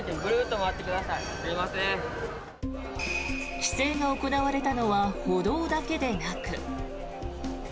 規制が行われたのは歩道だけでなく。